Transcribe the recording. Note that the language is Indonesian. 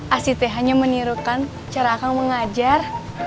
asyik tehanya menirukan cara kang mengajar